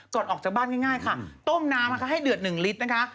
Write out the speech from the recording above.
ออกจากบ้านง่ายค่ะต้มน้ำนะคะให้เดือด๑ลิตรนะคะ